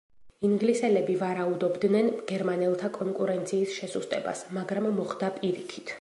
ინგლისელები ვარაუდობდნენ გერმანელთა კონკურენციის შესუსტებას, მაგრამ მოხდა პირიქით.